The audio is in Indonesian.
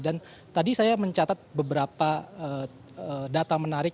dan tadi saya mencatat beberapa data menarik